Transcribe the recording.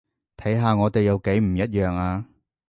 睇下我哋有幾唔一樣呀